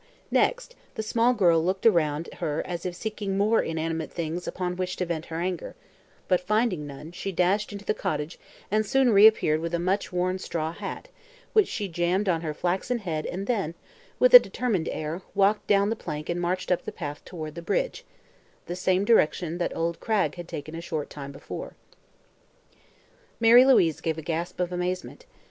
Next, the small girl looked around her as if seeking more inanimate things upon which to vent her anger, but finding none she dashed into the cottage and soon reappeared with a much worn straw hat which she jammed on her flaxen head and then, with a determined air, walked down the plank and marched up the path toward the bridge the same direction that old Cragg had taken a short time before. Mary Louise gave a gasp of amazement.